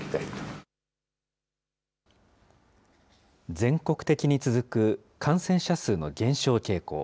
全国的に続く感染者数の減少傾向。